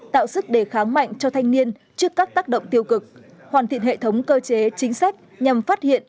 tạo sức đề kháng mạnh cho thanh niên trước các tác động tiêu cực hoàn thiện hệ thống cơ chế chính sách nhằm phát hiện